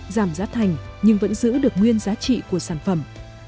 giảm giá thành nhưng vẫn giữ được nguyên giá trị của sản phẩm